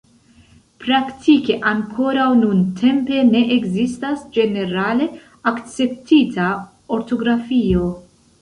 Praktike ankoraŭ nuntempe ne ekzistas ĝenerale akceptita ortografio.